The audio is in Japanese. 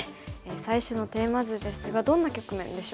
最初のテーマ図ですがどんな局面でしょうか。